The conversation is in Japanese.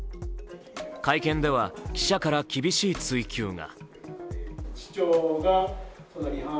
会見では記者から厳しい追及が。